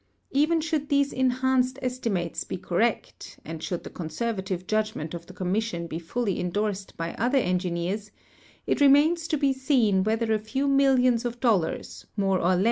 Even should these enhanced estimates be correct, and should the conseiwatiA'e judgment of the commission he fully indorsed by other engineers, it remains to l)e seen Avhether a feAV millions of dollars, more or le.